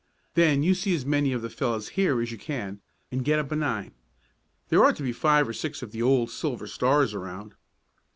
Then you see as many of the fellows here as you can, and get up a nine. There ought to be five or six of the old Silver Stars around."